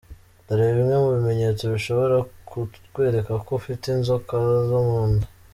Dore bimwe mu bimenyetso bishobora ku kwereka ko ufite inzoka zo mu nda:.